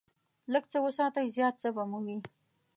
لږ څه وساتئ، زیات څه به مو وي.